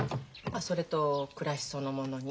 それと暮らしそのものに。